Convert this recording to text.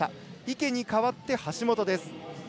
池に代わって橋本です。